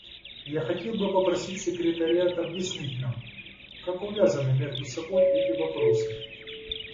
Я хотел бы попросить Секретариат объяснить нам, как увязаны между собой эти вопросы.